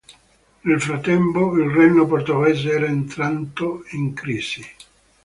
Nel frattempo il regno portoghese era entrato in crisi.